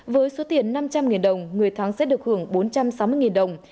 với số tiền năm trăm linh đồng người thắng sẽ được hưởng bốn trăm sáu mươi đồng